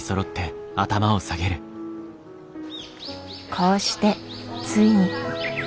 こうしてついに。